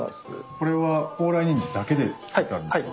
これは高麗人参だけで作ってあるんですか？